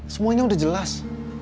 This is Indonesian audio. semuanya udah jelas